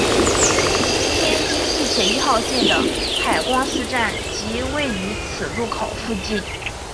天津地铁一号线的海光寺站即位于此路口附近。